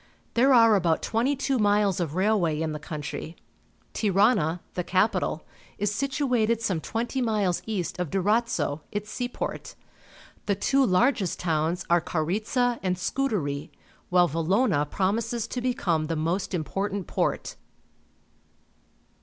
There are about twenty two miles of railway in the country. Tirana, the capital is situated some twenty miles east of Durazzo, its seaport. The two largest towns are Coriza and Scutari, while Valona promises to become the most important port.